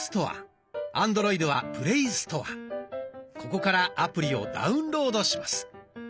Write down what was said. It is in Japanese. ここからアプリをダウンロードします。